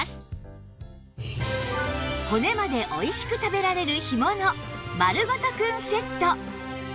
骨までおいしく食べられる干物まるごとくんセット